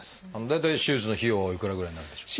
大体手術の費用はおいくらぐらいになるんでしょう？